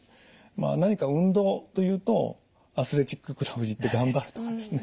何か運動というとアスレチッククラブに行って頑張るとかですね